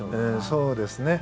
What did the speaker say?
そうですね。